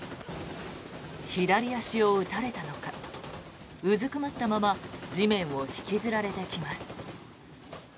左足を撃たれたのかうずくまったまま地面を引きずられていきます。